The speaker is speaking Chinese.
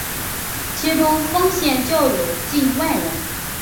其中丰县教友近万人。